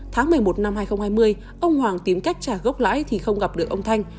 tháng một mươi một năm hai nghìn hai mươi ông hoàng tìm cách trả gốc lãi thì không gặp được ông thanh